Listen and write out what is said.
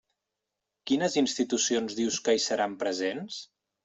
Quines institucions dius que hi seran presents?